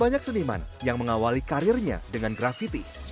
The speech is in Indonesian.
banyak seniman yang mengawali karirnya dengan grafiti